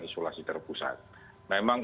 isolasi terpusat memang